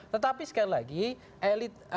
tetapi sekali lagi elit